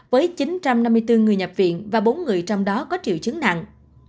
với chín trăm năm mươi bốn người nhập viện và bốn người trong đó có triệu chứng nặng